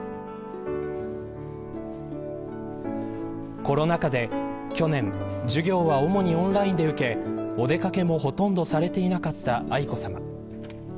コロナ禍で去年、授業は主にオンラインで受けお出掛けも、ほとんどされていなかった愛子さま。